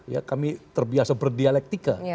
ya kami terbiasa berdialektika